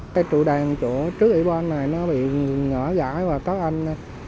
cái trụ đàn chỗ trước ủy ban này nó bị ngỡ giải và tóc anh